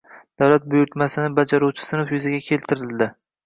davlat buyurtmasini bajaruvchi sinf yuzaga keltirildi.